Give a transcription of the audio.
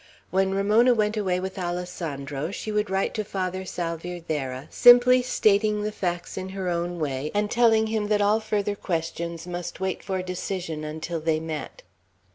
When Ramona went away with Alessandro, she would write to Father Salvierderra, simply stating the facts in her own way, and telling him that all further questions must wait for decision until they met.